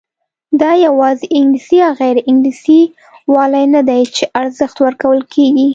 دا یوازې انګلیسي یا غیر انګلیسي والی نه دی چې ارزښت ورکول کېږي.